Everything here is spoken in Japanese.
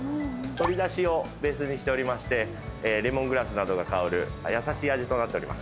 鶏だしをベースにしておりましてレモングラスなどが香る優しい味となっております。